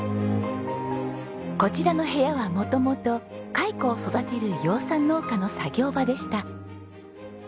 こちらの部屋は元々蚕を育てる養蚕農家の作業場でした。